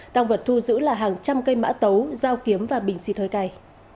tăng vật thu giữ là hàng trăm cây mã tấu dao kiếm và bình xịt hơi cay